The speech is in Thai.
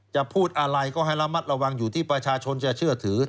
จะพูดอะไรก็ให้ระมัดระวังอยู่ที่ประชาชนจะเชื่อถือ